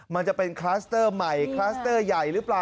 มันจะเป็นคลัสเตอร์ใหม่คลัสเตอร์ใหญ่หรือเปล่า